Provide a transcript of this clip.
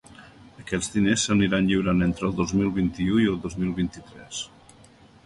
Aquests diners s’aniran lliurant entre el dos mil vint-i-u i el dos mil vint-i-tres.